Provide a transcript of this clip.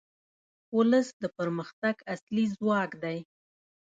ولس د پرمختګ اصلي ځواک دی.